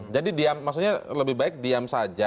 jadi diam maksudnya lebih baik diam saja